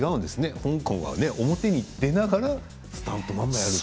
香港は表に出ながらスタントマンもやる。